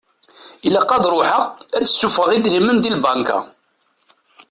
Ilaq ad ṛuḥeɣ ad d-suffɣeɣ idrimen di lbanka.